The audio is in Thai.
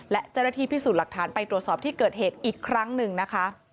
และเจ้าหน้าที่พิสูจน์หลักฐานไปตรวจสอบที่เกิดเหตุอีกครั้งหนึ่งนะคะ